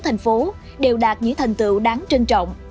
thành phố đều đạt những thành tựu đáng trân trọng